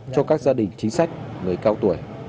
cho các gia đình chính sách người cao tuổi